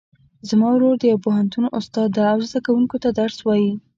زما ورور د یو پوهنتون استاد ده او زده کوونکو ته درس وایي